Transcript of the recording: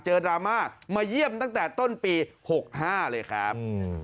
ดราม่ามาเยี่ยมตั้งแต่ต้นปี๖๕เลยครับ